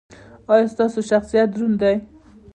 ایا ستاسو شخصیت دروند دی؟